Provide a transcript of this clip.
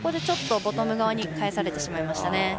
ちょっとボトム側に返されてしまいましたね。